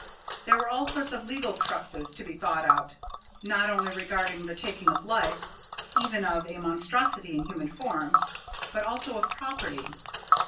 There were all sorts of legal cruxes to be thought out, not only regarding the taking of life, even of a monstrosity in human form, but also of property.